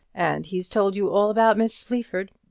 and he's told you all about Miss Sleaford.